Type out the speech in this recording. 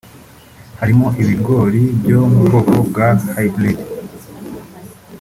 harimo ibigori byo mu bwoko bwa hybride